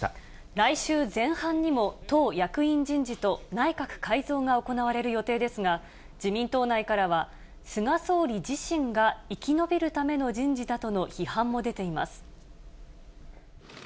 来週前半にも党役員人事と内閣改造が行われる予定ですが、自民党内からは、菅総理自身が生き延びるための人事だとの批判も出ています。